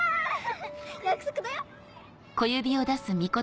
約束だよ！